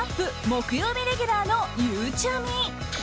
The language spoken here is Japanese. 木曜日レギュラーのゆうちゃみ。